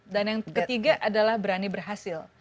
dan yang ketiga adalah berani berhasil